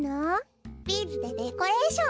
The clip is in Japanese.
ビーズでデコレーション。